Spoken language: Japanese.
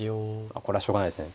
これはしょうがないですね。